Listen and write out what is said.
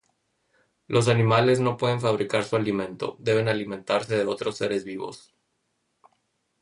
Los animales no pueden fabricar su alimento, deben alimentarse de otros seres vivos.